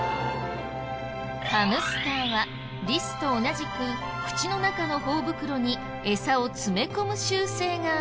ハムスターはリスと同じく口の中の頬袋にエサを詰め込む習性がある。